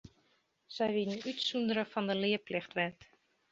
Sy wienen útsûndere fan de learplichtwet.